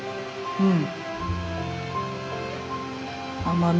うん。